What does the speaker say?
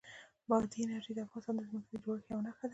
بادي انرژي د افغانستان د ځمکې د جوړښت یوه نښه ده.